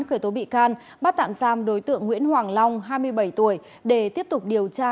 khởi tố bị can bắt tạm giam đối tượng nguyễn hoàng long hai mươi bảy tuổi để tiếp tục điều tra